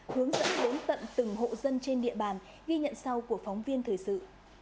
hướng dẫn đến tận từng hộ dân trên địa bàn ghi nhận sau của phóng viên thời sự